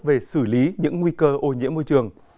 về xử lý những nguy cơ ô nhiễm môi trường